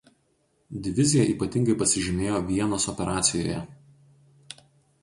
Divizija ypatingai pasižymėjo Vienos operacijoje.